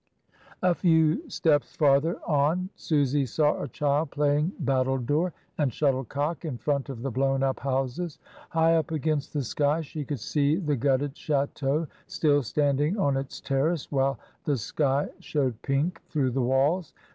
A few steps farther on Susy saw a child playing battledore and shuttlecock in front of the blown up houses. High up against the sky she could see the gutted chdteau, still standing on its terrace, while the sky showed pink through the walls.